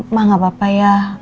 mah gak apa apa ya